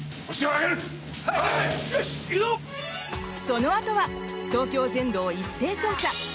そのあとは東京全土を一斉捜査。